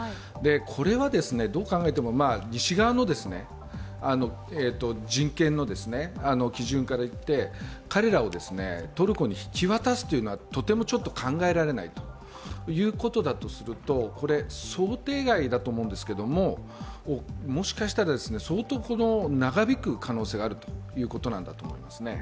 これはどう考えても西側の人権の基準からいって彼らをトルコに引き渡すというのはとても考えられないということだとこれ、想定外だと思うんですけどももしかしたら、相当長引く可能性があるということなんだと思いますね。